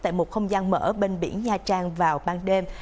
tại một không gian mở bên biển nha trang vào ban đêm